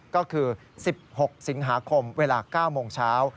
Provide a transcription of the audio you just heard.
ก็คือ๑๖สิงหาคมเวลา๙โมงเช้า